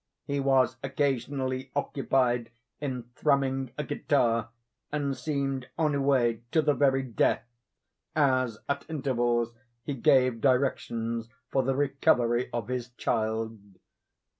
He was occasionally occupied in thrumming a guitar, and seemed ennuye to the very death, as at intervals he gave directions for the recovery of his child.